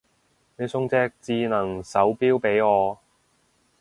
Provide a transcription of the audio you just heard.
你送隻智能手錶俾我